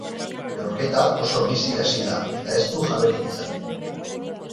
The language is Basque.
Neurketa oso bizi hasi da eta ez du jaberik izan.